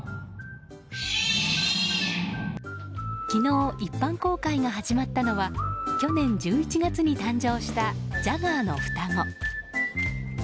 昨日一般公開が始まったのは去年１１月に誕生したジャガーの双子。